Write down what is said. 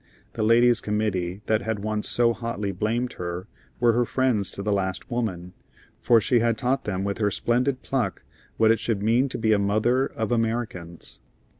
The ladies' committee that had once so hotly blamed her were her friends to the last woman, for she had taught them with her splendid pluck what it should mean to be a mother of Americans.